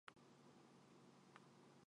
焼肉に行きたいです